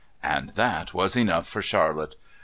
And that was enough for Charlotte.